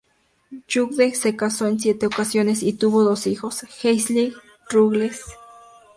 Judge se casó en siete ocasiones y tuvo dos hijos: Wesley Ruggles, Jr.